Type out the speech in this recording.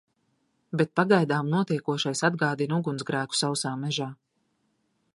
Bet pagaidām notiekošais atgādina ugunsgrēku sausā mežā.